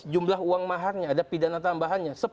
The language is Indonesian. jumlah uang maharnya ada pidana tambahannya